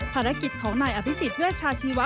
ภารกิจของนายอภิษฎเวชชาชีวะ